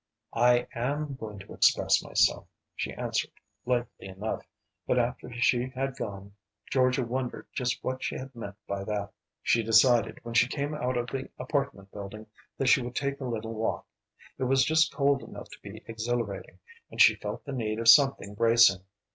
"I am going to express myself," she answered, lightly enough, but after she had gone Georgia wondered just what she had meant by that. She decided, when she came out of the apartment building, that she would take a little walk. It was just cold enough to be exhilarating, and she felt the need of something bracing.